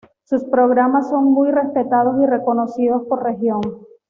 Sus programas son muy respetados y reconocidos por región.